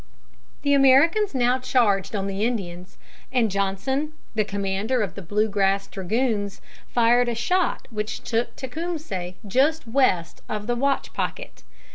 The Americans now charged on the Indians, and Johnson, the commander of the Blue Grass Dragoons, fired a shot which took Tecumseh just west of the watch pocket.